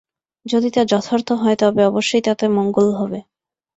যদি তা যথার্থ হয়, তবে অবশ্যই তাতে মঙ্গল হবে।